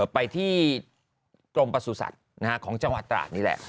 ไปที่กรมประสุทธิ์ของจังหวัดตราดนี่แหละ